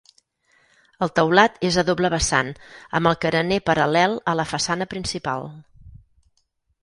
El teulat és a doble vessant amb el carener paral·lel a la façana principal.